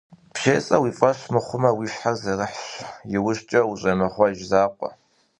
БжесӀэр уи фӀэщ мыхъумэ, уи щхьэ зэрыхьщ, иужькӀэ ущӀемыгъуэж закъуэ.